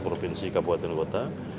provinsi kabupaten kota